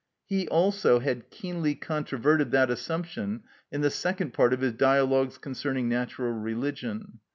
He also had keenly controverted that assumption in the second part of his "Dialogues concerning Natural Religion."